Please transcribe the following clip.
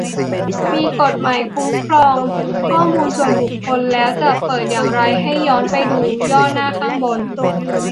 มีกฎหมายคุ้มครองข้อมูลส่วนบุคคลแล้ว และเปิดอย่างไรให้ย้อนไปดูย่อหน้าข้างบน